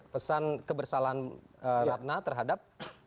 pesan kebersalahan ratna terhadap